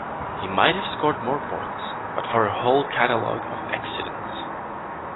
He might have scored more points but for a whole catalogue of accidents.